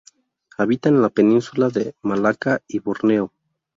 Habita en la Península de Malaca y Borneo.